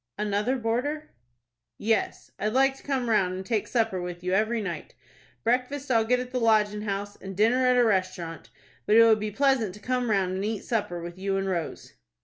"Another boarder?" "Yes, I'd like to come round, and take supper with you every night. Breakfast I'll get at the Lodgin' House, and dinner at a restaurant, but it would be pleasant to come round, and eat supper with you and Rose."